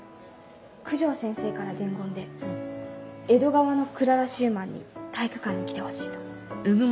九条先生から伝言で江戸川のクララ・シューマンに体育館に来てほしいと。